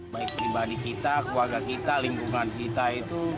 baik pribadi kita keluarga kita lingkungan kita itu